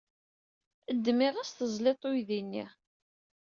Ddem iɣes tzellid-t i uydi-nni.